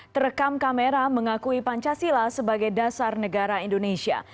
terekam kamera mengakui pancasila sebagai dasar negara indonesia